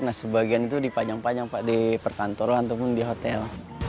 nah sebagian itu dipajang panjang pak di perkantoran ataupun di hotel